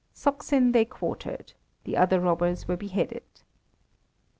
Saksin they quartered; the other robbers were beheaded.